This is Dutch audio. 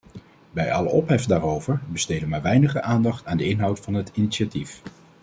Bij alle ophef daarover besteden maar weinigen aandacht aan de inhoud van het initiatief.